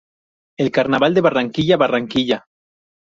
El Carnaval de Barranquilla," Barranquilla.